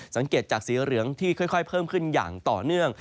สังเกตจากสีเหลืองที่ค่อยเพิ่มขึ้นอย่างต่อเนื่อง